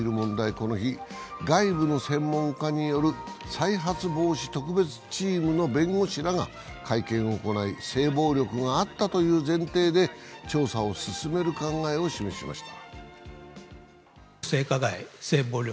この日、外部の専門家による再発防止特別チームの弁護士らが会見を行い性暴力があったという前提で調査を進める考えを示しました。